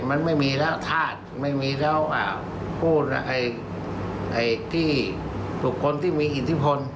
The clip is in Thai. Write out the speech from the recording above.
มันไม่มีแล้วธาตุไม่มีแล้วพูดที่บุคคลที่มีอิทธิพล